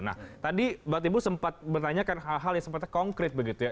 nah tadi mbak timbul sempat bertanyakan hal hal yang sempatnya konkret begitu ya